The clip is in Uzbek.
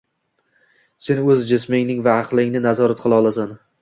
Sen o‘z jisming va aqlingni nazorat qila olasan.